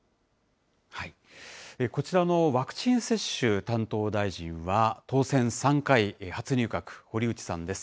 こちらのワクチン接種担当大臣は、当選３回、初入閣、堀内さんです。